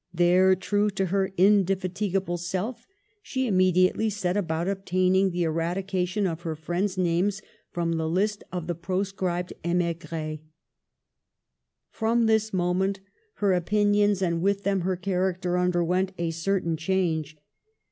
There, true to her indefatigable self, she immediately set about obtaining the eradication of her friends' names from the list of the proscribed Jtnigrfc. From this moment her v opinions, and with them her character, underwent a certain change.